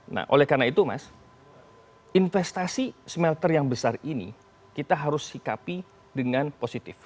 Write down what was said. nah oleh karena itu mas investasi smelter yang besar ini kita harus sikapi dengan positif